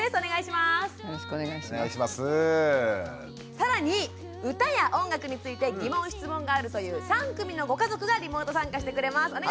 更に歌や音楽について疑問質問があるという３組のご家族がリモート参加してくれます。